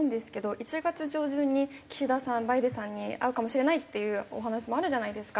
１月上旬に岸田さんバイデンさんに会うかもしれないっていうお話もあるじゃないですか。